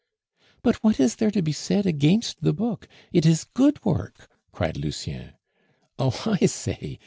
"But what is there to be said against the book; it is good work!" cried Lucien. "Oh, I say!